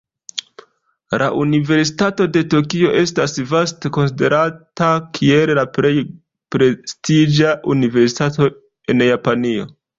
La Universitato de Tokio estas vaste konsiderata kiel la plej prestiĝa universitato en Japanio.